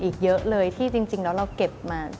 อีกเยอะเลยที่จริงแล้วเราเก็บมา